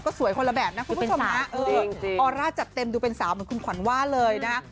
สวยคนละแบบนะคุณผู้ชมนะเออออร่าจัดเต็มดูเป็นสาวเหมือนคุณขวัญว่าเลยนะฮะ